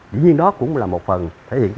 dĩ nhiên đó cũng là một phần thể hiện